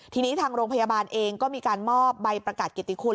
ทีนี้ทางโรงพยาบาลเองก็มีการมอบใบประกาศกิติคุณ